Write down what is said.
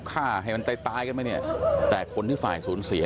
ฆ่าให้มันตายกันไหมเนี่ยแต่คนที่ฝ่ายสูญเสีย